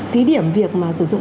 thí điểm việc mà sử dụng